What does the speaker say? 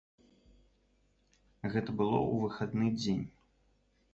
Гэта было ў выхадны дзень.